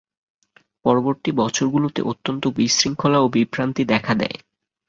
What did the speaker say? পরবর্তী বছরগুলোতে অত্যন্ত বিশৃঙ্খলা ও বিভ্রান্তি দেখা দেয়।